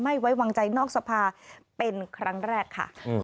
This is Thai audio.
ไม่ไว้วางใจนอกสภาเป็นครั้งแรกค่ะ